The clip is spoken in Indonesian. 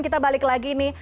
kita balik lagi nih